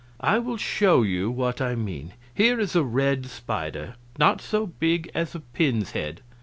I will show you what I mean. Here is a red spider, not so big as a pin's head.